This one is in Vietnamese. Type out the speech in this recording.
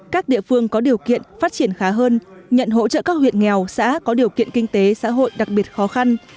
các địa phương có điều kiện phát triển khá hơn nhận hỗ trợ các huyện nghèo xã có điều kiện kinh tế xã hội đặc biệt khó khăn